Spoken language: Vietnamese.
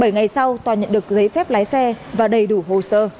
bảy ngày sau toàn nhận được giấy phép lái xe và đầy đủ hồ sơ